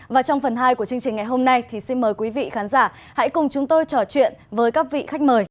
và trong phần hai của chương trình ngày hôm nay thì xin mời quý vị khán giả hãy cùng chúng tôi trò chuyện với các vị khách mời